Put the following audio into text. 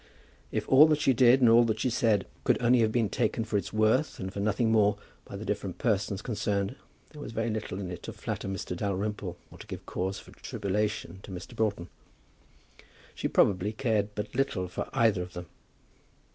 If all that she did and all that she said could only have been taken for its worth and for nothing more, by the different persons concerned, there was very little in it to flatter Mr. Dalrymple or to give cause for tribulation to Mr. Broughton. She probably cared but little for either of them.